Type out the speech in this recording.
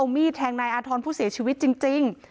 มีดแทงนายอาธรณ์ผู้เสียชีวิตจริง